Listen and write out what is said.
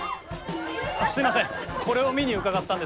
すいません